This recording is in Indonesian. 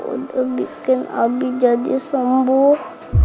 udah bikin abi jadi sembuh